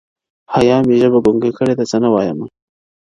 حیا مي ژبه ګونګۍ کړې ده څه نه وایمه-